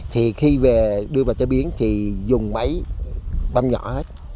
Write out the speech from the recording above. thì khi về đưa vào chế biến thì dùng máy băm nhỏ hết